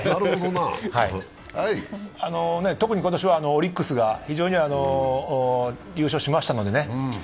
特に今年はオリックスが非常に優勝しましたのでね。